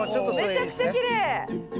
めちゃくちゃきれい。